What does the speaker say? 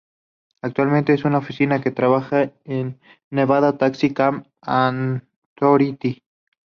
Actualmente es un oficial que trabaja en Nevada Taxi Cab Authority.